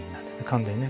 完全にね。